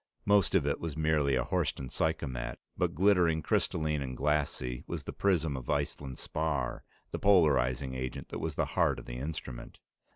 Most of it was merely a Horsten psychomat, but glittering crystalline and glassy was the prism of Iceland spar, the polarizing agent that was the heart of the instrument.